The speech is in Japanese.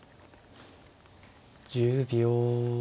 １０秒。